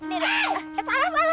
eh eh salah salah salah